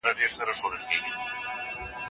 فیصل په ډېر لوړ غږ خبرې کولې.